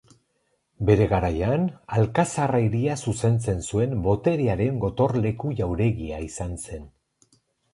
Bere garaian, Alkazarra hiria zuzentzen zuen boterearen gotorleku-jauregia izan zen.